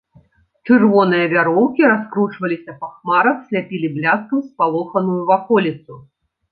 Чырвоныя вяроўкі раскручваліся па хмарах, сляпілі бляскам спалоханую ваколіцу.